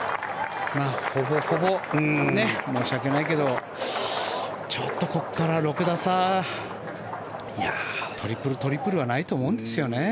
ほぼほぼ、申し訳ないけどちょっとここから６打差トリプル、トリプルはないと思うんですよね。